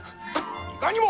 いかにも！